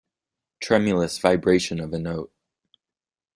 Tremulous vibration of a note.